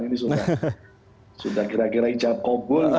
ini sudah kira kira hijab kogul